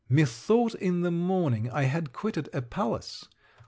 Methought in the morning I had quitted a palace.